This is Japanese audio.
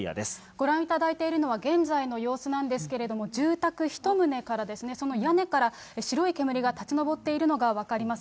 ご覧いただいているのは、現在の様子なんですけれども、住宅１棟からその屋根から、白い煙が立ち上っているのが分かります。